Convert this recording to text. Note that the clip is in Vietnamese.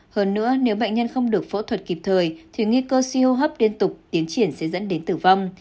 hơn nữa nếu bệnh nhân không được phẫu thuật kịp thời thì nghi cơ suy hô hấp liên tục tiến triển sẽ dẫn đến tử vong